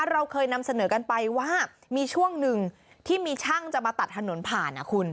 เราเคยนำเสนอกันไปว่ามีช่วงหนึ่งที่มีช่างจะมาตัดถนนผ่านนะคุณ